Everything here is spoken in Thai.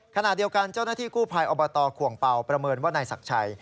ขณะเดียวกันเจ้าหน้าที่กู้ภัยอบตขวงเป่าประเมินว่านายศักดิ์ชัย